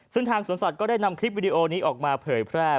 ซึ่งทางสวนสัตว์ก็ได้นำคลิปวิดีโอนี้ออกมาเผยแพร่